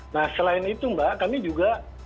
nah selain itu mbak kami juga